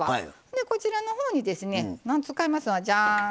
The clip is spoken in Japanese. でこちらのほうにですね使いますのはじゃん！